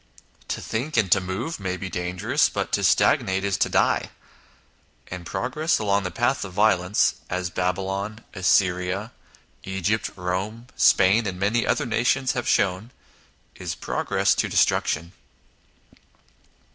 To think and to move may be dangerous, but to stagnate is to die ; and progress along the path of violence as Babylon, Assyria, Egypt, Eome, Spain, and many other nations have shown is progress to de struction.